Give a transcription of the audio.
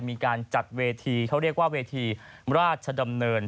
มีการจัดเวทีเขาเรียกว่าเวทีราชดำเนิน